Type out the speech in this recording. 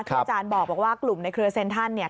อาจารย์บอกว่ากลุ่มในเครือเซ็นทรัลเนี่ย